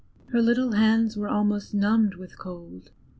Her little hands were almost numbed with cold.